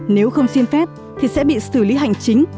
nếu không xin phép thì sẽ bị xử lý hành chính